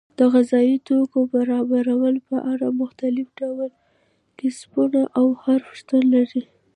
د غذایي توکو برابرولو په اړه مختلف ډول کسبونه او حرفې شتون لري.